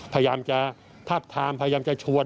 พยายามจะทาบทามพยายามจะชวน